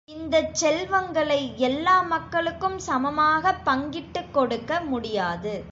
இந்தச் செல்வங்களை எல்லா மக்களுக்கும் சமமாகப் பங்கிட்டுக் கொடுக்க முடியாது.